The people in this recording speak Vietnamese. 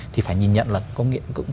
thì phải nhìn nhận là công nghệ